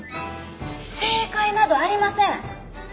正解などありません。